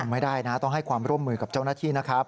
ไม่ได้นะต้องให้ความร่วมมือกับเจ้าหน้าที่นะครับ